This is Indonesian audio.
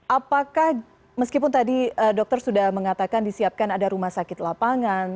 apakah meskipun tadi dokter sudah mengatakan disiapkan ada rumah sakit lapangan